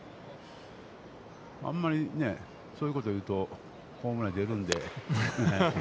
あんまりそういうこと言うと、ホームラン出るので。